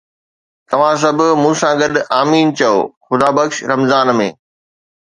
توهان سڀ مون سان گڏ "آمين" چئو، خدا بخش! رمضان ۾